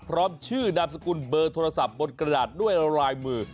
พร้อมชื่อนามสกุลเบอร์โทรศัพท์บนกระดาษด้วยลายมือ